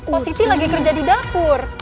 positi lagi kerja di dapur